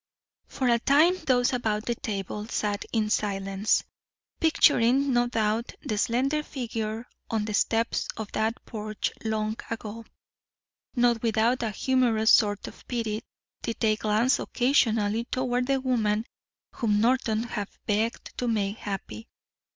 For a time those about the table sat in silence, picturing no doubt the slender figure on the steps of that porch long ago. Not without a humorous sort of pity did they glance occasionally toward the woman whom Norton had begged to make happy.